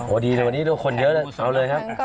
ดีเลยวันนี้ลูกคนเยอะเลยเอาเลยครับ